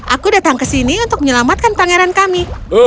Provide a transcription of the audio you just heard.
aku datang ke sini untuk menyelamatkan pangeran kami